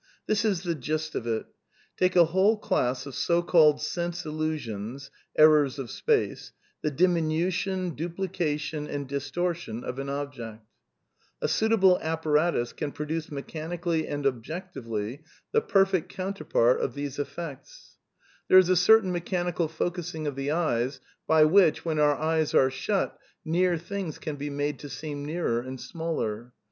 This is the gist of it: Take a whole class of so called sense illusions (errors of space), the diminution, duplication, and dis tortion of an object. A suitable apparatus can produce mechanically and objectively the perfect counterpart of THE NEW REALISM 173 these effects. There is a certain mechanical focussing of the eyes by which, when our eyes are shut, near things can be made to seem nearer and smaller.